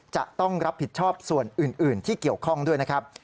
จะต้องรับผิดชอบส่วนอื่นที่เกี่ยวข้องด้วยนะครับ